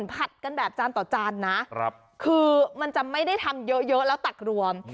ผัดกันแบบจานต่อจานนะคือมันจะไม่ได้ทำเยอะแล้วตักรวม